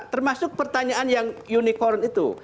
termasuk pertanyaan yang unicorn itu